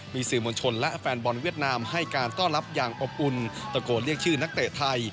มีสื่อมวลชนและแฟนบอลเวียดนามให้การต้อนรับอย่างอบอุ่นตะโกนเรียกชื่อนักเตะไทย